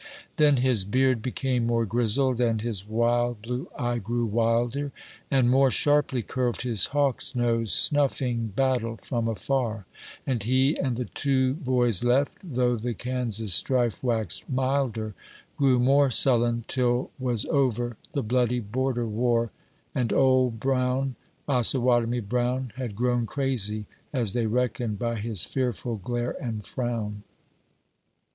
Then his beard became more grizzled, and his wild blue eye grew wilder, And more sharply curved his hawk's nose, snuffing battle from afar ; And he and the two boys left, though the Kansas strife waxed milder, Grew more sullen, till was over the bloody Border War, And Old Brown, Osawatomie Brown, Had grown crazy, as they reckoned, by his fearful glare and frown.